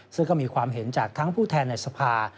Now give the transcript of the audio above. ซึ่งก็มีความเห็นจากทั้งผู้แทนในสภา